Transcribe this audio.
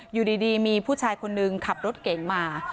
อยู่ดีมีผู้ชายคนนึงขับรถเก่งมา